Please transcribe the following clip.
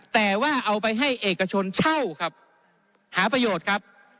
แต่ว่าเอาไปให้เอกชนเช่าครับหาประโยชน์ครับ